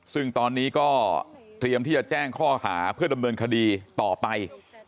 ซึ่งตอนนี้ก็เตรียมที่จะแจ้งข้อหาเพื่อดำเนินคดีต่อไป